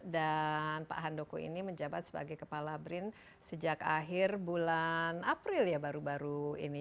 dan pak handoko ini menjabat sebagai kepala brin sejak akhir bulan april ya baru baru ini